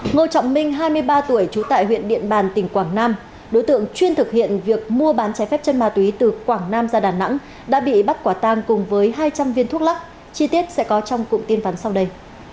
ngô trọng minh hai mươi ba tuổi trú tại huyện điện bàn tỉnh quảng nam đối tượng chuyên thực hiện việc mua bán trái phép chân ma túy từ quảng nam ra đà nẵng đã bị bắt quả tang cùng với hai trăm linh viên thuốc lắc chi tiết sẽ có trong cụm tin vắn sau đây